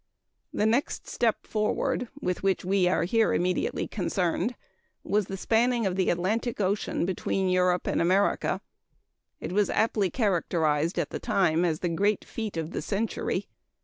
The next step forward, with which we are here immediately concerned that of spanning the Atlantic Ocean between Europe and America was aptly characterized at the time as "the great feat of the century."